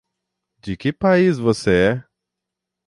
De que país você é?